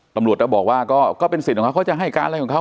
ตำรวจก็บอกว่าก็เป็นสิทธิ์ของเขาเขาจะให้การอะไรของเขา